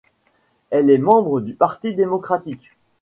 Elle est membre du Parti démocratique.